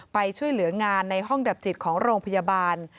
ไปช่วยเหลืองานในห้องดับจิตของโรงพยาบาล